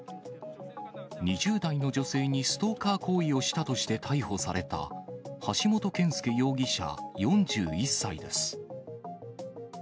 ２０代の女性にストーカー行為をしたとして逮捕された橋本憲介容疑者４１歳です。